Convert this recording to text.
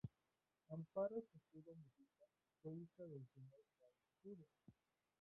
Amparo Cejudo Mujica, fue hija del señor Juan Cejudo.